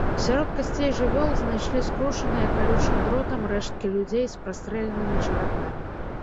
Сярод касцей жывёл знайшлі скручаныя калючым дротам рэшткі людзей з прастрэленымі чарапамі.